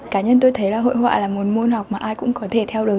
cá nhân tôi thấy là hội họa là một môn học mà ai cũng có thể theo được